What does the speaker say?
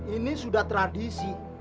ini sudah tradisi